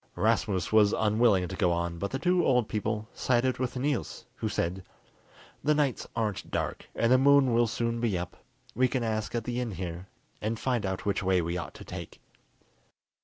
Rasmus was unwilling to go on, but the two old people sided with Niels, who said, "The nights aren't dark, and the moon will soon be up. We can ask at the inn here, and find out which way we ought to take."